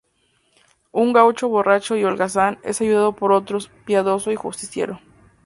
Un gaucho borracho y holgazán es ayudado por otro, piadoso y justiciero.